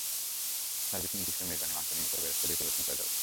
Serving ডিসে মেজবানি মাংস নিয়ে ওপরে বেরেস্তা দিয়ে পরিবেশন করা যাবে।